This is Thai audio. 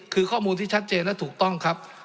คือข้อมูลที่ชัดเจนและถูกต้องครับ